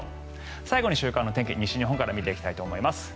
最後に週間の天気を西日本から見ていきます。